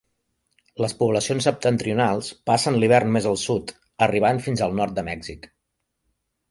Les poblacions septentrionals passen l'hivern més al sud, arribant fins al nord de Mèxic.